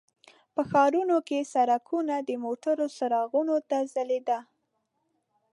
په ښارونو کې سړکونه د موټرو څراغونو ته ځلیده.